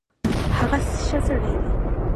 هغه ښۀ سړی ډی